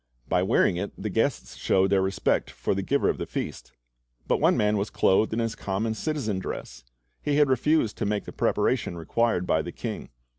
By wearing it the guests showed their respect for the giver of the fea.st. But one man was clothed in his common citizen dress. He had refused to make the preparation required by the king.